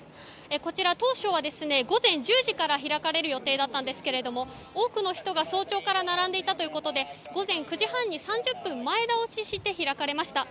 こちら、当初は午前１０時から開かれる予定だったんですけれど多くの人が早朝から並んでいたということで午前９時半に３０分前倒しして開かれました。